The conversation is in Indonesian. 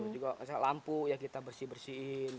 lalu juga misalnya lampu ya kita bersih bersihin